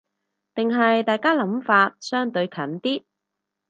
定係大家諗法相對近啲